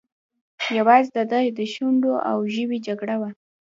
یوازې د ده د شونډو او ژبې جګړه وه.